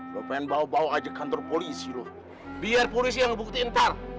lo pengen bawa bawa aja ke kantor polisi loh biar polisi yang ngebukti ntar